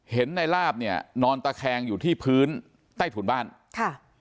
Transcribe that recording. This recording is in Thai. เห็นในลาบเนี่ยนอนตะแคงอยู่ที่พื้นใต้ถุนบ้านค่ะ